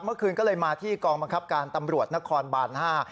เมื่อคืนก็เลยมาที่กองบังคับการตำรวจนครบานห้า